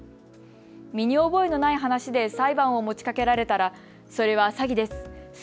身に覚えのない話で裁判を持ちかけられたらそれは詐欺です。